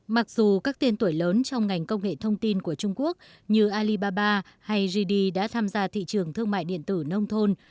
mặc dù các tên tuổi lớn trong ngành công nghệ thông tin của trung quốc như alibaba hay gd đã tham gia thị trường thương mại điện tử nông thôn